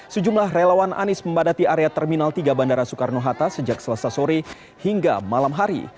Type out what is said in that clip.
sejumlah relawan anies membadati area terminal tiga bandara soekarno hatta sejak selesai sore hingga malam hari